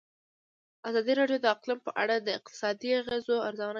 ازادي راډیو د اقلیم په اړه د اقتصادي اغېزو ارزونه کړې.